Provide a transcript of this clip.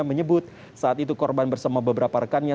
menyebut saat itu korban bersama beberapa rekannya